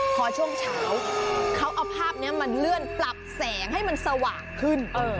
พอช่วงเช้าเขาเอาภาพนี้มาเลื่อนปรับแสงให้มันสว่างขึ้น